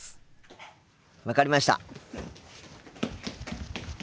分かりました！